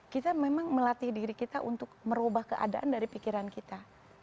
kita memang melatih diri kita untuk merubah keadaan dari pikiran kita